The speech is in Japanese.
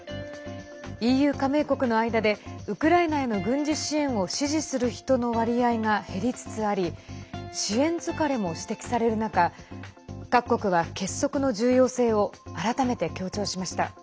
ＥＵ加盟国の間でウクライナへの軍事支援を支持する人の割合が減りつつあり支援疲れも指摘される中各国は結束の重要性を改めて強調しました。